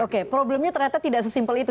oke problemnya ternyata tidak sesimpel itu